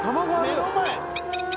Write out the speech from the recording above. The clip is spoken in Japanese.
目の前。